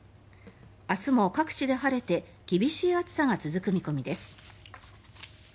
明日も各地で晴れて厳しい暑さが続く見込みです。